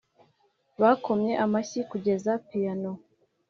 bakomye amashyi kugeza piyano